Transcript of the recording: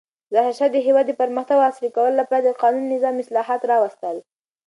ظاهرشاه د هېواد د پرمختګ او عصري کولو لپاره د قانوني نظام اصلاحات راوستل.